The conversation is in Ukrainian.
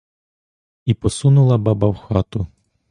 І посунула баба в хату.